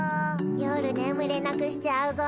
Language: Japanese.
夜ねむれなくしちゃうぞ。